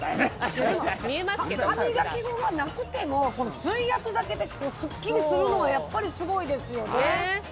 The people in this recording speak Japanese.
歯磨き粉がなくても、水圧だけでスッキリするのはすごいですよね。